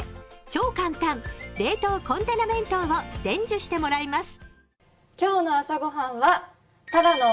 超簡単、冷凍コンテナ弁当を伝授してもらいます。